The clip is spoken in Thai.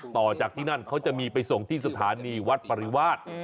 ต่อจากที่นั่นเขาจะมีไปส่งที่สถานีวัดปริวาส